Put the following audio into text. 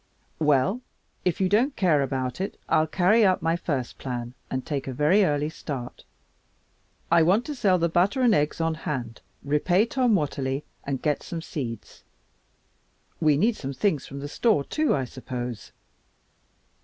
"Well, if you don't care about it, I'll carry out my first plan and take a very early start. I want to sell the butter and eggs on hand, repay Tom Watterly, and get some seeds. We need some things from the store, too, I suppose?"